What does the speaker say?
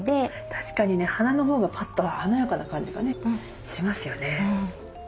確かにね花のほうがパッと華やかな感じがねしますよね。